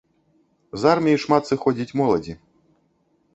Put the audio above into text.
З арміі шмат сыходзіць моладзі.